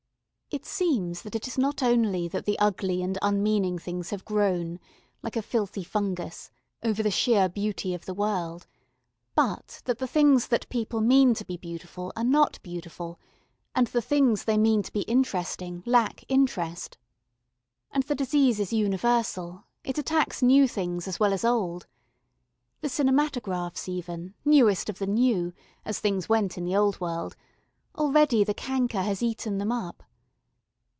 It seems that it is not only that the ugly and unmeaning things have grown, like a filthy fungus, over the sheer beauty of the world, but that the things that people mean to be beautiful are not beautiful, and the things they mean to be interesting lack interest. And the disease is universal: it attacks new things as well as old. The cinematographs even, newest of the new, as things went in the old world; already the canker has eaten them up.